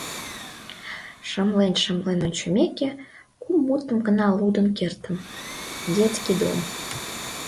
Шымлен-шымлен ончымеке, кум мутым гына лудын кертым: «...детский дом...